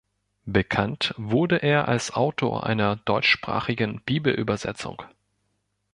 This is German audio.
Bekannt wurde er als Autor einer deutschsprachigen Bibelübersetzung.